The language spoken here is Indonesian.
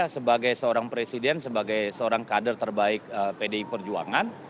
sebagai seorang presiden sebagai seorang kader terbaik pdi perjuangan